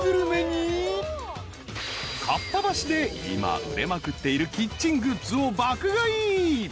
［かっぱ橋で今売れまくっているキッチングッズを爆買い］